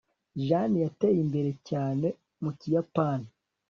Jane yateye imbere cyane mu Kiyapani